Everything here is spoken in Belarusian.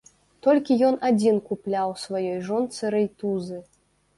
Толькі ён адзін купляў сваёй жонцы рэйтузы.